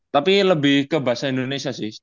tapi lebih ke bahasa indonesia sih